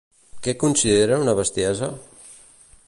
Què considera una bestiesa?